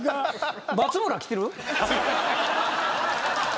松村来てる？